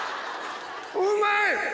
うまい！